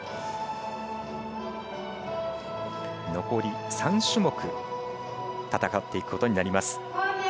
残り３種目、戦っていくことになります。